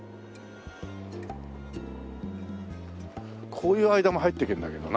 こういう間も入っていけるんだけどな。